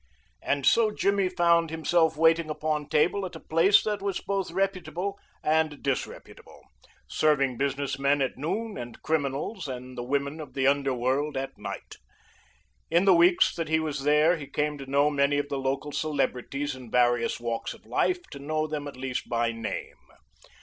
And so Jimmy found himself waiting upon table at a place that was both reputable and disreputable, serving business men at noon and criminals and the women of the underworld at night. In the weeks that he was there he came to know many of the local celebrities in various walks of life, to know them at least by name.